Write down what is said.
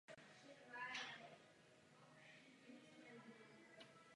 Rovněž to zlepšuje naše postavení, z něhož kritizujeme ostatní orgány.